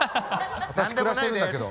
私暮らしてるんだけど。